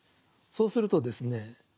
そうするとですね